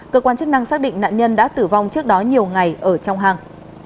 cơ quan chức năng xác định nạn nhân đã tử vong trước đó nhiều ngày ở trong hang